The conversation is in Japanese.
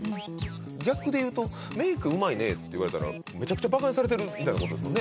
逆で言うと「メイクうまいね！」って言われたらめちゃくちゃバカにされてるみたいなことですもんね